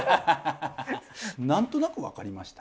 なんとなくわかりました？